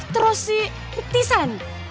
terus si mik tisan